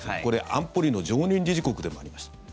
安保理の常任理事国でもありました。